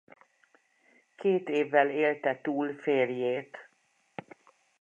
Két évvel élte túl férjét.